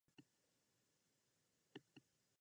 ベリーズの首都はベルモパンである